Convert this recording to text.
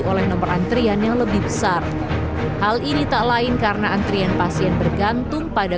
oleh nomor antrian yang lebih besar hal ini tak lain karena antrian pasien bergantung pada